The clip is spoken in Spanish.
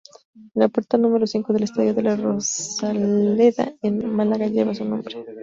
La puerta número cinco del estadio de La Rosaleda en Málaga lleva su nombre.